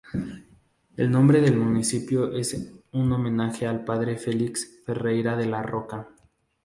El nombre del municipio es un homenaje al padre Felix Ferreira de la Roca.